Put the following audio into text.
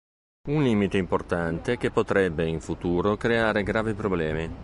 Un limite importante che potrebbe, in futuro, creare gravi problemi.